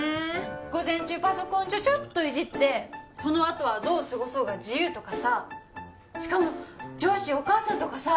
午前中パソコンチョチョッといじってそのあとはどう過ごそうが自由とかさしかも上司お母さんとかさ